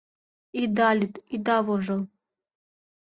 Ида лӱд, ида вожыл.